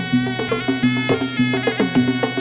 สวัสดีครับ